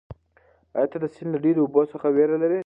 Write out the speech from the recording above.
ایا ته د سیند له ډېرو اوبو څخه وېره لرې؟